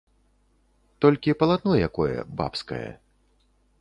Толькі палатно якое, бабскае.